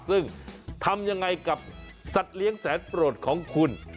ซึ่งทำยังไงกับสัตว์เลี้ยงแสนโปรดของคุณ